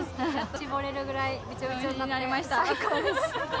絞れるぐらいびちょびちょになりました。